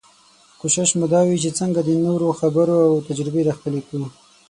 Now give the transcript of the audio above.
کوشش مو دا وي چې څنګه د نورو خبرې او تجربې راخپلې کړو.